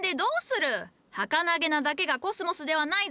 儚げなだけがコスモスではないぞ。